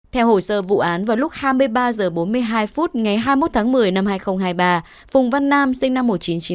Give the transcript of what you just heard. theo hồ sơ vụ án vào lúc hai mươi ba h bốn mươi hai phút ngày hai mươi một tháng một mươi năm hai nghìn hai mươi ba phùng văn nam sinh năm một nghìn chín trăm chín mươi ba